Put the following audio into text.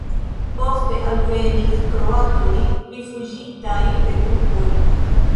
Poste alvenis kroatoj rifuĝintaj de turkoj.